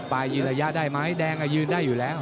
ยืนระยะได้ไหมแดงยืนได้อยู่แล้ว